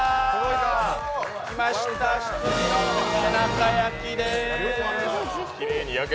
きました、羊の背中焼きです。